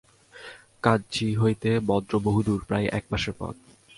কাঞ্চী হইতে মদ্র বহুদূর, প্রায় এক মাসের পথ।